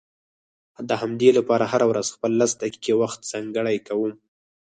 د همدې لپاره هره ورځ خپل لس دقيقې وخت ځانګړی کوم.